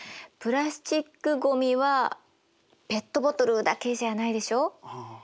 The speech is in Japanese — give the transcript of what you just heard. プラスチックごみはペットボトルだけじゃないでしょう？